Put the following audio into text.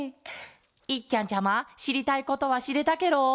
いっちゃんちゃましりたいことはしれたケロ？